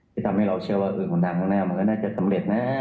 ที่ทำให้เราเชื่อว่าคนดังข้างหน้ามันก็น่าจะสำเร็จนะ